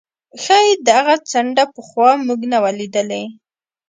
ښايي دغه څنډه پخوا موږ نه وه لیدلې.